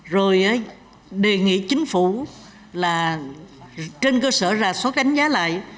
rồi đề nghị chính phủ là trên cơ sở ra suất đánh giá lại